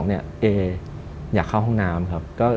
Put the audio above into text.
แอ๊ะอยากเข้าห้องน้ำค่ะ